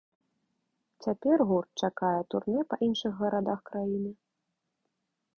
Цяпер гурт чакае турнэ па іншых гарадах краіны.